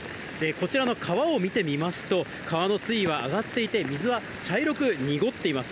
こちらの川を見てみますと、川の水位は上がっていて、水は茶色く濁っています。